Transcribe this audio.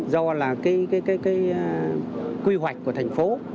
do là cái quy hoạch của thành phố